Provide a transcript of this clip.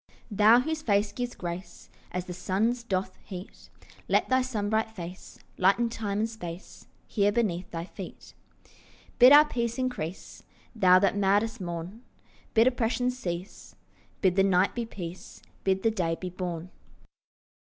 Thou whose face gives grace As the sun's doth heat, Let thy sunbright face Lighten time and space Here beneath thy feet. Bid our peace increase, Thou that madest morn; Bid oppressions cease; Bid the night be peace; Bid the day be born.